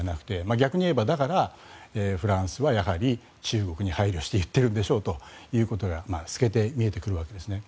逆に言えばフランスはやはり中国に配慮して言っているんでしょうということが透けて見えてくるわけですね。